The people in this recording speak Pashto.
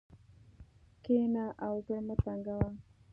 کښېنه او زړه مه تنګوه.